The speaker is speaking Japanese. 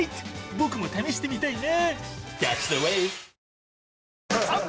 僕も試してみたいな。